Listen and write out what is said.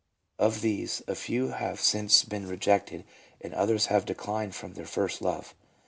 Of these a few have since been rejected, and others have declined from their first love.